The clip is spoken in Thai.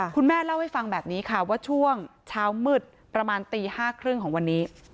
คุณแม่เล่าให้ฟังแบบนี้ค่ะว่าช่วงเช้ามืดประมาณตี๕๓๐ของวันนี้